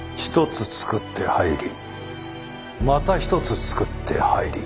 １つ作って入りまた１つ作って入り。